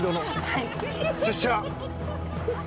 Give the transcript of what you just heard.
はい。